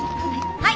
はい！